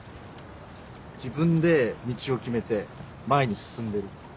自分で道を決めて前に進んでる。